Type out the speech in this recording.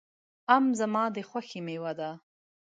آم زما د خوښې مېوه ده.